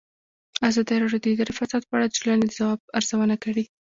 ازادي راډیو د اداري فساد په اړه د ټولنې د ځواب ارزونه کړې.